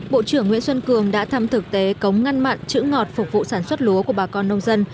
bộ trưởng nguyễn xuân cường đã thăm thực tế cống ngăn mặn chữ ngọt phục vụ sản xuất lúa của bà con nông dân